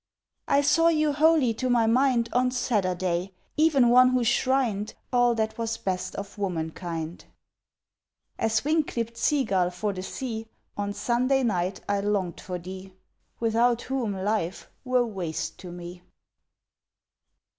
I saw you wholly to my mind On Saturday—even one who shrined All that was best of womankind. As wing clipt sea gull for the sea On Sunday night I longed for thee, Without whom life were waste to me!